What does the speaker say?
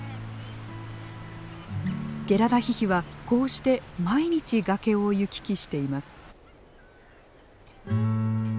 ゲラダヒヒはこうして毎日崖を行き来しています。